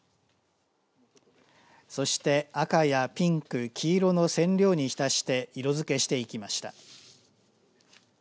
そして赤やピンク黄色の染料に浸して色づけしていきました。